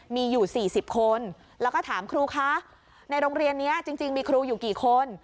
มีอยู่๔๐คนแล้วก็ถามครูคะในโรงเรียนนี้จริงมีครูอยู่กี่คน